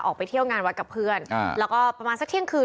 ออกไปเที่ยวงานวัดกับเพื่อนแล้วก็ประมาณสักเที่ยงคืน